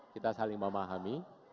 kita saling memahami